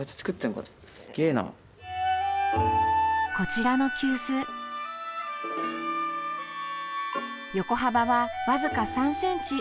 こちらの急須横幅は、わずか３ｃｍ。